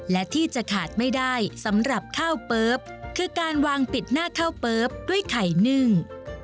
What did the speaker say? และที่จะขาดไม่ได้สำหรับข้าวเปิ๊บคือการวางปิดหน้าข้าวเปิ๊บด้วยไข่นึ่ง